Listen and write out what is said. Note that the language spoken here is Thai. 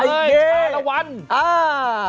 ไอเค่อาละวันอ้า